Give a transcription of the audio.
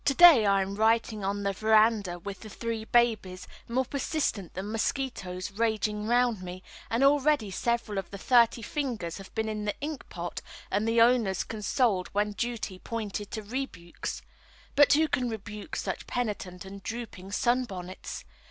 To day I am writing on the verandah with the three babies, more persistent than mosquitoes, raging round me, and already several of the thirty fingers have been in the ink pot and the owners consoled when duty pointed to rebukes. But who can rebuke such penitent and drooping sunbonnets?